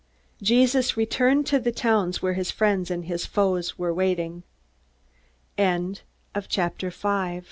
Jesus returned to the towns, where his friends and his foes were waiting. [